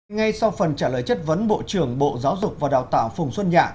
ngay sau phần trả lời chất vấn bộ trưởng bộ giáo dục và đào tạo phùng xuân nhạ